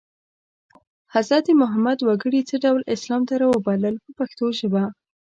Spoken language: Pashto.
حضرت محمد وګړي څه ډول اسلام ته رابلل په پښتو ژبه.